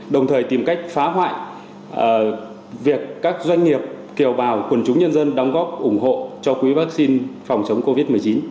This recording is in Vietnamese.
đồng thời tìm cách phá hoại việc các doanh nghiệp kiều bào quần chúng nhân dân đóng góp ủng hộ cho quỹ vaccine phòng chống covid một mươi chín